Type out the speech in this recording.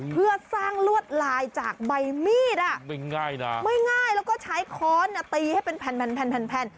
เพื่อสร้างลวดลายจากใบมีดอ่ะไม่ง่ายนะไม่ง่ายแล้วก็ใช้ค้อนตีให้เป็นแผ่นแผ่น